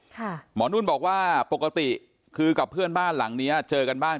หมอนุ่นบอกว่าปกติคือกับเพื่อนบ้านหลังเนี้ยเจอกันบ้าง